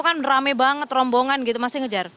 kan rame banget rombongan gitu masih ngejar